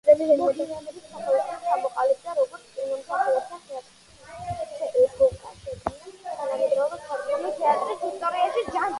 მოგვიანებით „სახელოსნო“ ჩამოყალიბდა როგორც „კინომსახიობთა თეატრი“, რომელმაც ეპოქა შექმნა თანამედროვე ქართული თეატრის ისტორიაში.